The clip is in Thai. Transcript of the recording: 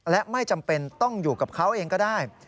และไม่จำเป็นต้องอยู่กับเขาเองก็ได้